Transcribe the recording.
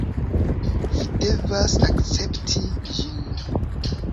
Vi devas akcepti ĝin.